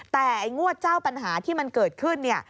แต่งวดเจ้าปัญหาที่มันเกิดขึ้น